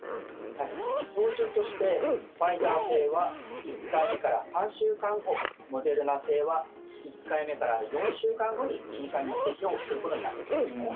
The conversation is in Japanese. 標準としてファイザー製は１回目から３週間後モデルナ製は１回目から４週間後に２回目の接種をすることになってるんですね。